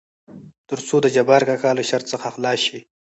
تر څو دجبار کاکا له شر څخه خلاص شي.